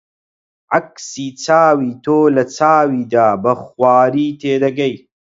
عەکسی چاوی تۆ لە چاویدا بە خواری تێدەگەی